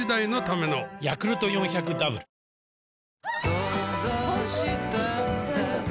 想像したんだ